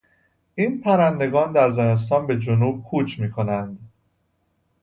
این پرندگان در زمستان به جنوب کوچ میکنند.